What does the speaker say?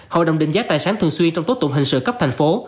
hội đồng định giá tài sản thường xuyên trong tố tụng hình sự cấp thành phố